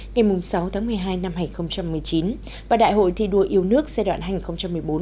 ngày sáu tháng một mươi hai năm hai nghìn một mươi chín và đại hội thi đua yêu nước giai đoạn hai nghìn một mươi bốn hai nghìn một mươi chín